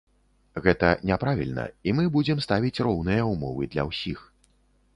Гэта няправільна, і мы будзем ставіць роўныя ўмовы для ўсіх.